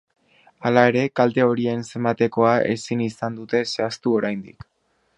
Hala ere, kalte horien zenbatekoa ezin izan dute zehaztu oraindik.